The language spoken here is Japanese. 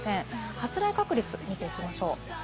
発雷確率を見ていきましょう。